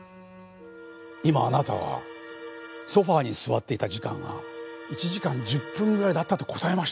今あなたはソファに座っていた時間が１時間１０分ぐらいだったと答えました。